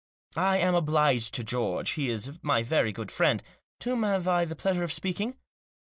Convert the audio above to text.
" I am obliged to George ; he is my very good friend . To whom have I the pleasure of speaking